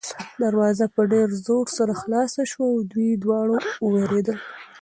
دروازه په ډېر زور سره خلاصه شوه او دوی دواړه ووېرېدل.